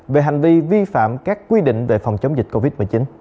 về hành vi vi phạm các quy định về phòng chống dịch covid một mươi chín